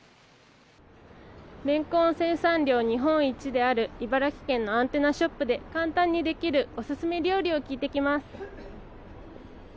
レンコン生産量日本一である茨城県のアンテナショップで簡単にできるオススメ料理を聞いてきます。